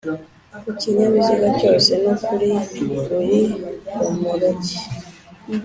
Ku kinyabiziga cyose no kuri buri romoruki